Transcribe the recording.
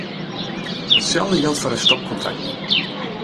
Itselde jildt foar stopkontakten.